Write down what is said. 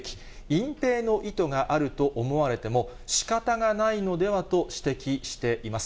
隠蔽の意図があると思われてもしかたがないのではと指摘しています。